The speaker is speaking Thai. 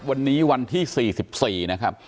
วันนี้วันที่สี่สิบสี่นะครับ